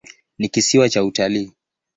Ni kisiwa cha utalii.